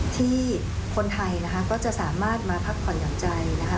ที่คนไทยก็จะสามารถมาพักข่อนยอมใจ